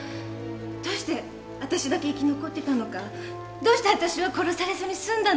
どうしてあたしだけ生き残ってたのかどうしてあたしは殺されずに済んだのか。